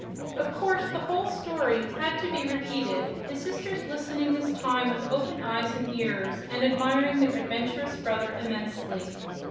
Of course the whole story had to be repeated, his sisters listening this time with open eyes and ears and admiring their adventurous brother immensely.